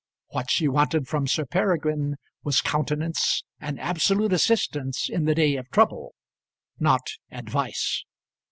What she wanted from Sir Peregrine was countenance and absolute assistance in the day of trouble, not advice.